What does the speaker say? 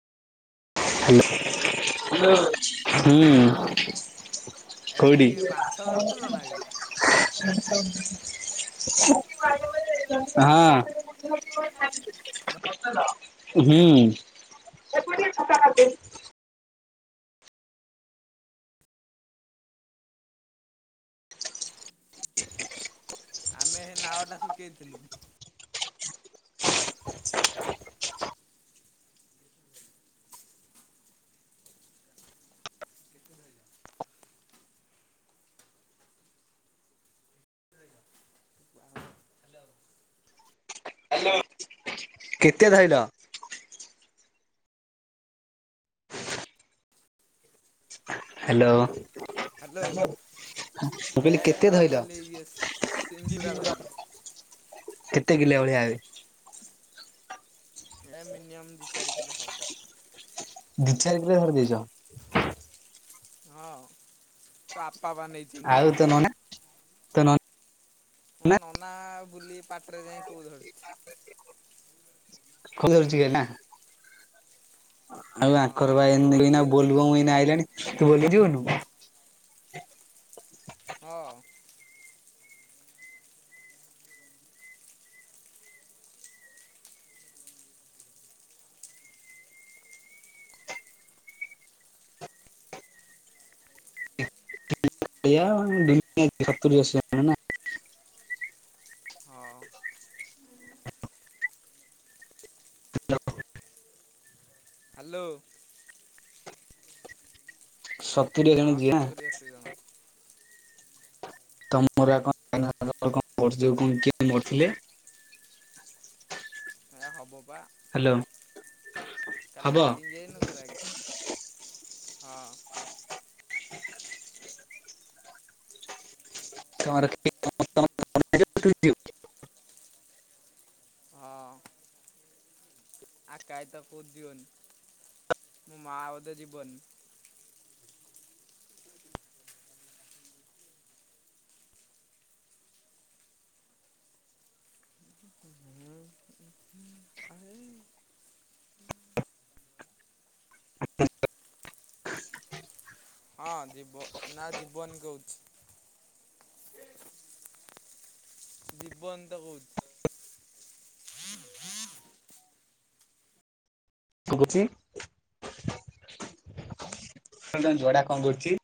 Hello hello ହୁଁ। ଏଠି କୋଉଠି? ମାଛ ଧରିଥିଲ ହଁ। ନା ବି ହୁଁ। [inaudible] ଆମେ ହେ ନାଳଟା ଶୁକେଇଥିଲୁ। କେତେଟା ଆଇଲା। [unintelligible] ହାଲୋ କେତେ ଧ‌ଇଲ? ହାଲୋ। ହାଲୋ। ମୁଁ ଏ କହିଲି କେତେ ଧଇଲ? ଧରିଥେଲି ଇଏ ସିଙ୍ଗୀଉରା ଧ‌ଇଲି। କେତେ କିଲୋ ଭଳିଆ ଆଉ ଏରା ମିନିୟମ୍ ଦି ଚାରି କିଲୋ ହବ। ଦି ଚାରି କିଲ ଧରି ଦେଇଚ। ହଁ ତୋ ବାପା ନେ ଆଉ ତୋ ନନା ତୋ ନ ମୋ ନନା ବୁଲିପାଟରେ ଯାଇ କୋହୁଥିଲା। ଫୁଣି [unintelligible] ଧରୁଚି କି ଏନା। ଆଉ ଆଙ୍କର ହଁ ବା ଏମିତି କି ଏଇନା ଗୋଟିଏ ଧରିଛି ବୋଲବମ ଏଇନା ଆଇଲାଣି ତୁ ବୁଲି ଯିବୁନୁ। ହଁ। ଏଇଆ ଆଉ [inaudible] ସତୁରି ଅଶି [unintelligible] ହଁ। ହୁଁ। [inaudible] Hello [unintelligible] hello. ସ ହଁ ସତୁରି ଅଶି ଜଣ। [unintelligible] ଆଁ ହବ ବା ହ୍ୟାଲୋ କାଲି ହବ? ମିଟିଂ ହେଇନଥିଲା କି। ହଁ। ତର [inaudible] ହଁ। ଆକାଇତ ଉଦିବନି ମୋ ମା ବୋଧେ ଯିବନି। [unintelligible] ହ [unintelligible] ହଁ ଯିବ ନା ଜିବନି କହୁଛି। ଜୀବନି ତ କହୁଛି। କ କହୁଛି ଝଗଡ଼ା କଣ କରୁଛି [unintelligible]